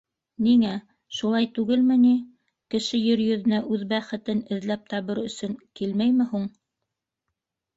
Ниңә, шулай түгелме ни: кеше ер йөҙөнә үҙ бәхетен эҙләп табыр өсөн килмәйме һуң?